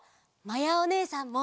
まやおねえさんも！